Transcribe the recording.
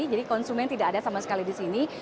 jadi konsumen tidak ada sama sekali di sini